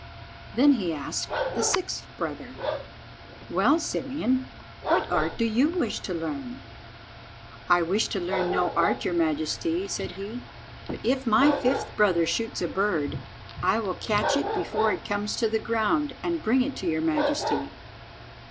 Then he asked the sixth brother— "Well, Simeon, what art do you wish to learn?" "I wish to learn no art, your majesty," said he, "but if my fifth brother shoots a bird, I will catch it before it comes to the ground and bring it to your majesty."